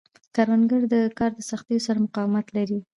کروندګر د کار د سختیو سره مقاومت لري